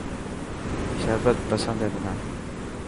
شربت پسند هي منان.